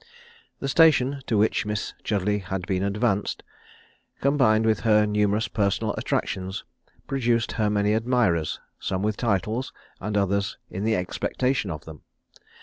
The station to which Miss Chudleigh had been advanced, combined with her numerous personal attractions, produced her many admirers: some with titles, and others in the expectation of them.